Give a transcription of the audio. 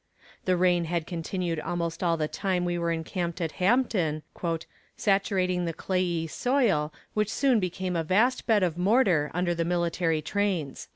The rain had continued almost all the time we were encamped at Hampton, "saturating the clayey soil, which soon became a vast bed of mortar under the artillery trains."